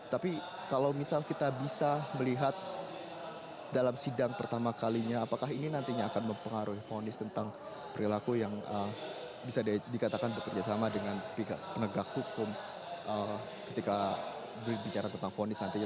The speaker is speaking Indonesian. tapi kalau misal kita bisa melihat dalam sidang pertama kalinya apakah ini nantinya akan mempengaruhi fonis tentang perilaku yang bisa dikatakan bekerja sama dengan pihak penegak hukum ketika berbicara tentang fonis nantinya